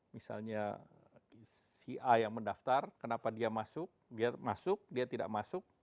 misalnya si a yang mendaftar kenapa dia masuk dia masuk dia tidak masuk